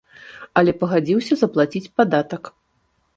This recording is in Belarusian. Але пагадзіўся заплаціць падатак.